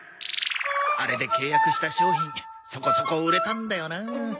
あれで契約した商品そこそこ売れたんだよな。